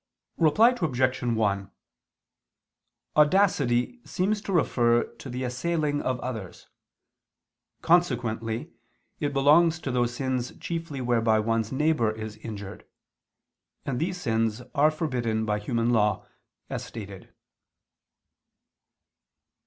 Reply Obj. 1: Audacity seems to refer to the assailing of others. Consequently it belongs to those sins chiefly whereby one's neighbor is injured: and these sins are forbidden by human law, as stated.